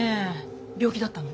病気だったの？